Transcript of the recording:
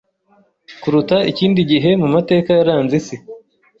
kuruta ikindi gihe mu mateka yaranze isi.